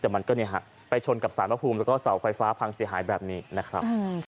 แต่มันก็เนี่ยฮะไปชนกับสารพระภูมิแล้วก็เสาไฟฟ้าพังเสียหายแบบนี้นะครับ